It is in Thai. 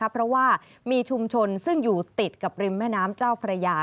เพราะว่ามีชุมชนซึ่งอยู่ติดกับริมแม่น้ำเจ้าพระยา